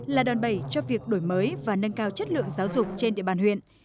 là đòn bẩy cho việc đổi mới và nâng cao chất lượng giáo dục trên địa bàn huyện